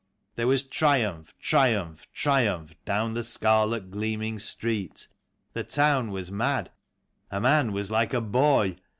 There was triumph, triumph, triumph down the scarlet gleaming street; The town was mad, a man was like a boy.